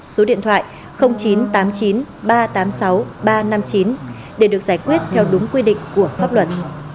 số điện thoại chín trăm tám mươi chín ba trăm tám mươi sáu ba trăm năm mươi chín để được giải quyết theo đúng quy định của pháp luật